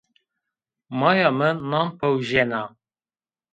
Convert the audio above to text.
Maya mi nan pewjena.